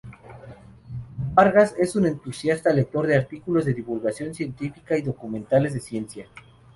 Vargas es un entusiasta lector de artículos de divulgación científica y documentales de ciencia.